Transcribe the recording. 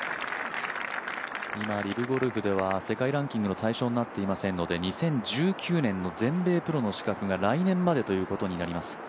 今リブゴルフでは世界ランキングの対象になっていませんので、２０１９年の全米プロの資格が来年までということになります。